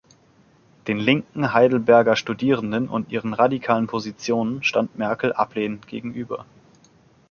Den linken Heidelberger Studierenden und ihren radikalen Positionen stand Merkel ablehnend gegenüber.